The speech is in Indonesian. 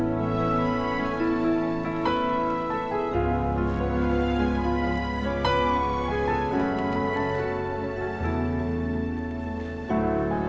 mungkin besok lagi baru aku tanya